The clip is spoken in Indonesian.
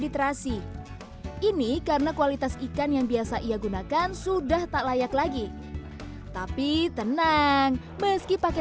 literasi ini karena kualitas ikan yang biasa ia gunakan sudah tak layak lagi tapi tenang meski pakai